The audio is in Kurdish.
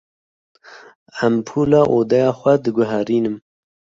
Empûla odeya xwe diguherînim.